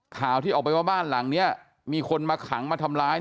ข่าวที่ออกไปว่าบ้านหลังนี้มีคนมาขังมาทำร้าย